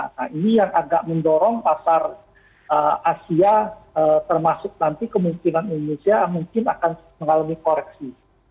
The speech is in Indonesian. nah ini yang agak mendorong pasar asia termasuk nanti kemungkinan indonesia mungkin akan mengalami koreksi